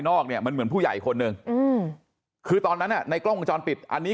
นอกมันเหมือนผู้ใหญ่คนนึงคือตอนนั้นในกล้องกระจอนปิดอันนี้